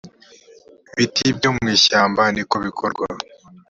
biti byo mu ishyamba ni ko bikorwa